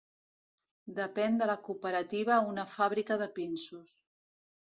Depèn de la Cooperativa una fàbrica de pinsos.